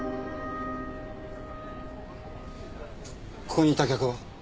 ここにいた客は？